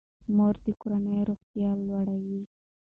مور د کورنۍ روغتیا لوړوي.